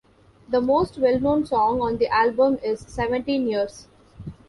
The most well known song on the album is "Seventeen Years".